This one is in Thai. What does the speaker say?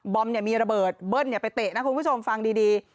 อมมีระเบิดเบิ้ลไปเตะนะคุณผู้ชมฟังดี